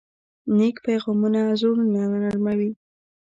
نیک پیغامونه زړونه نرموي.